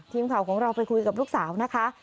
ทีมข่าวของเราไปคุยกับลูกสาวนะคะ